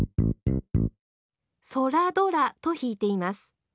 ソラドラと弾いています。